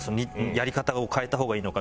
やり方を変えた方がいいのかみたいな。